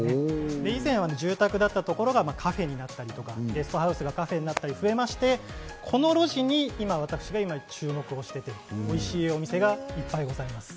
以前は住宅だったところがカフェになったり、ゲストハウスがカフェになったりして、この路地に今、私は注目していて、おいしいお店がいっぱいございます。